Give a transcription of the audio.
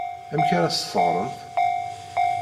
Amek ara as-teɣremt?